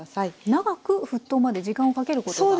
長く沸騰まで時間をかけることが。